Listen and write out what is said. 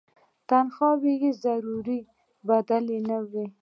تنخواوې یې ضروري بدل نه وو.